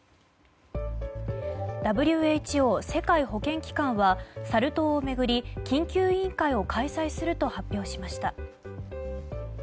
ＷＨＯ・世界保健機関はサル痘を巡り、緊急委員会を開催すると発表しました。